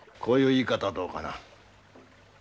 こういう言い方はどうかな？